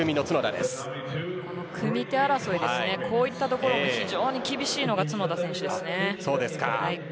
組み手争いはこういったところも非常に厳しいのは角田選手です。